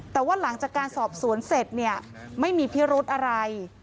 แต่ว่าหลังจากการสอบสวนเสร็จไม่มีเพราะอะไร